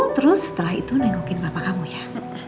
terus setelah itu jengukin papa kamu ya